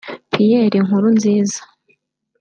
Pierre Nkurunziza